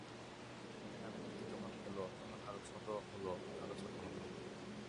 একটা গানের মধ্যে যখন এল, তখন আরও ছোট হলো, আরও ছোট হলো।